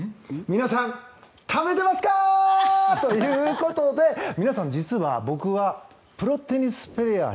皆さん、食べてますか！ということで皆さん、実は僕はプロテニスプレーヤー。